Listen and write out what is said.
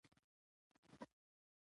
که کتاب وي نو عقل نه پاتیږي.